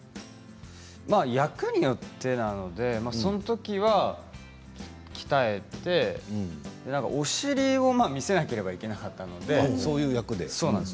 役によってなのでそのときは鍛えてお尻を見せなければそういう役で？